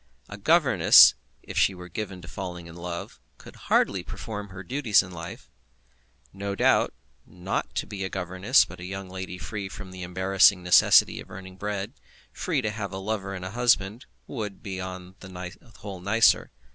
A governess, if she were given to falling in love, could hardly perform her duties in life. No doubt, not to be a governess, but a young lady free from the embarrassing necessity of earning bread, free to have a lover and a husband, would be upon the whole nicer.